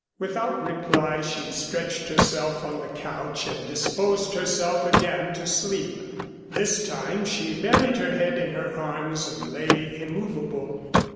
Without reply she stretched herself on the couch and disposed herself again to sleep. This time she buried her head in her arms and lay immovable.